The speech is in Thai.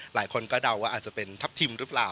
หลายคนก็เดาว่าอาจจะเป็นทัพทิมหรือเปล่า